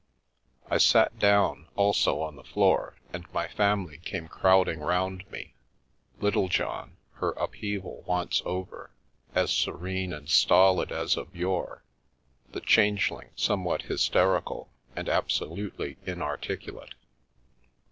I sat down, also on the floor, and my family came crowding round me — Littlejohn, her upheaval once over, as serene and stolid as of yore, the Changeling somewhat hysterical, and absolutely in articulate.